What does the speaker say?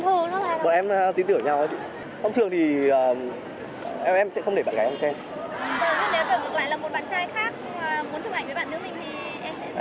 thôi nhưng nếu tưởng được lại là một bạn trai khác mà muốn chụp ảnh với bạn nữ mình thì em sẽ